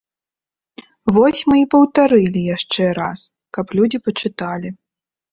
Вось мы і паўтарылі яшчэ раз, каб людзі пачыталі.